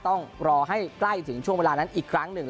ต้องรอให้ใกล้ถึงช่วงเวลานั้นอีกครั้งหนึ่ง